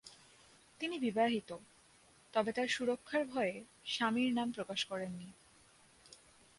তিনি বিবাহিত, তবে তার সুরক্ষার ভয়ে স্বামীর নাম প্রকাশ করেননি।